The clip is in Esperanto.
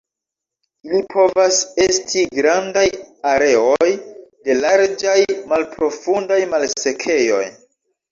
Ili povas esti grandaj areoj de larĝaj, malprofundaj malsekejoj.